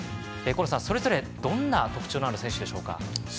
河野さん、それぞれどんな特徴のある選手でしょうか。